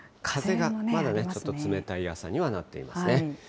風がまだちょっと冷たい朝にはなってますね。